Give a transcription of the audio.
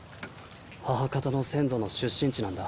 母方の先祖の出身地なんだ。